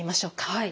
はい。